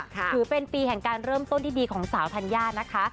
ถือเป็นปีแห่งการเริ่มต้นที่ดีของสาวธัญญานะคะ